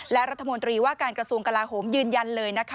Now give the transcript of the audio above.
และรัฐมนตรีว่าการกระทรวงกลาโหมยืนยันเลยนะคะ